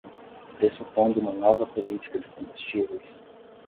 Pressupondo uma nova política de combustíveis